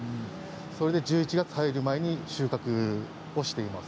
それで１１月に入る前に収穫をしています。